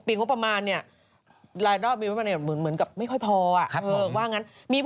เอองบประมาณปีงงบประมาณเนี่ย